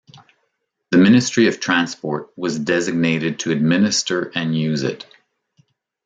The Ministry of Transport was designated to administer and use it.